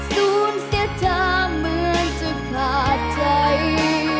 สูญเสียจากมือเจอขาดใจ